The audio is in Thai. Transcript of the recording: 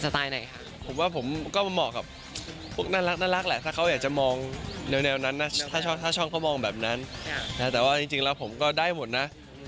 ถ้าช่องเขามองแบบนั้นแต่ว่าจริงแล้วผมก็ได้หมดนะ